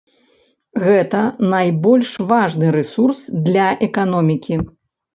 Гэта найбольш важны рэсурс для эканомікі.